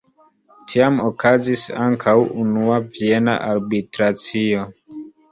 Tiam okazis ankaŭ Unua Viena Arbitracio.